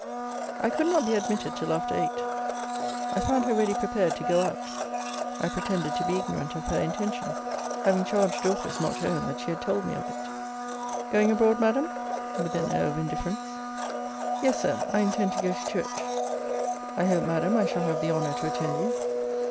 I could not be admitted till after eight. I found her ready prepared to go out. I pretended to be ignorant of her intention, having charged Dorcas not to own that she had told me of it. Going abroad, Madam? with an air of indifference. Yes, Sir: I intend to go to church. I hope, Madam, I shall have the honour to attend you.